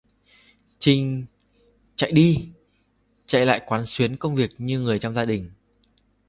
Chinh Chạy đi chạy lại quán xuyến công việc như người trong gia đình